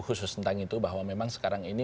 khusus tentang itu bahwa memang sekarang ini